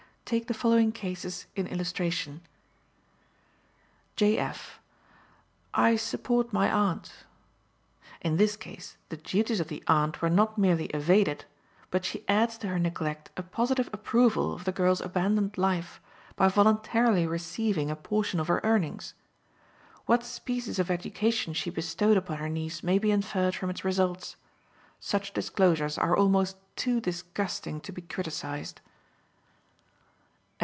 Take the following cases in illustration: J. F.: "I support my aunt." In this case the duties of the aunt were not merely evaded, but she adds to her neglect a positive approval of the girl's abandoned life, by voluntarily receiving a portion of her earnings. What species of education she bestowed upon her niece may be inferred from its results. Such disclosures are almost too disgusting to be criticised.